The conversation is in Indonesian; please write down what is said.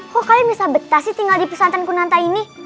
kok kalian bisa betah sih tinggal di pesantren kunanta ini